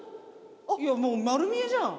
いやもう丸見えじゃん。